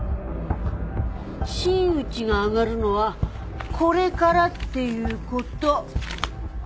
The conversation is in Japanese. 真打ちが上がるのはこれからっていう事。